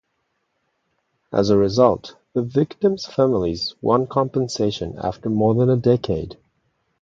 As a result, the victims' families won compensation after more than a decade.